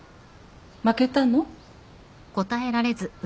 負けたの？